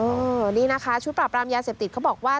โดยนี้นะคะชุดปราบปรามยาเสพติฯก็บอกว่า